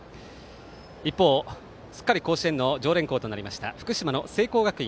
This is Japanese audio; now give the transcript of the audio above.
一方、すっかり甲子園の常連校となりました福島の聖光学院。